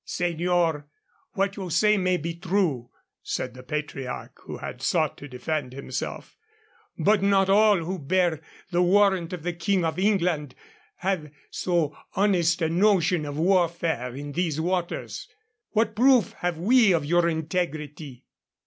"Señor, what you say may be true," said the patriarch who had sought to defend himself, "but not all who bear the warrant of the King of England have so honest a notion of warfare in these waters. What proof have we of your integrity?"